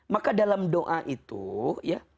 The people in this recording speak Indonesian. maka dalam doa itu ya